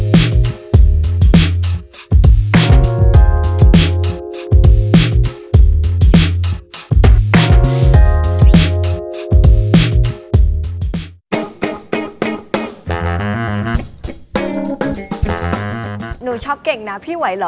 มินว่ามันเป็นเรื่องของผู้หญิง